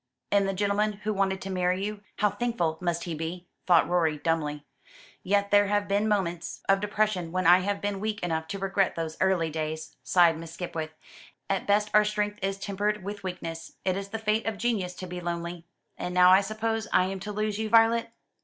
"And the gentleman who wanted to marry you, how thankful must he be!" thought Rorie dumbly. "Yet there have been moments of depression when I have been weak enough to regret those early days," sighed Miss Skipwith. "At best our strength is tempered with weakness. It is the fate of genius to be lonely. And now I suppose I am to lose you, Violet?"